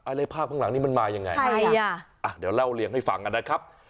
เลยภาพข้างหลังนี้มันมายังไงใช่อ่ะเดี๋ยวเล่าเรียงให้ฟังกันนะครับ